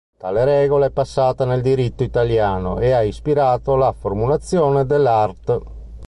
Tale regola è passata nel diritto italiano e ha ispirato la formulazione dell'art.